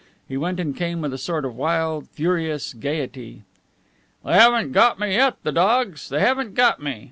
He went and came with a sort of wild, furious gayety. "They haven't got me yet, the dogs. They haven't got me!